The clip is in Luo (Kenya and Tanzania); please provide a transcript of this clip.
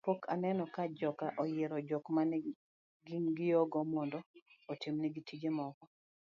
pok aneno ka joka oyiero jok mane ging'iyogo mondo otim nigi tije moko